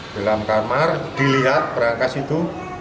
dalam kamar dilihat berangkas itu